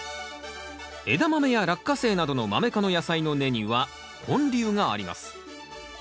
エダマメやラッカセイなどのマメ科の野菜の根には根粒があります。